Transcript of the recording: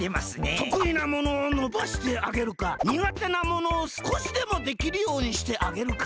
とくいなものをのばしてあげるかにがてなものをすこしでもできるようにしてあげるか。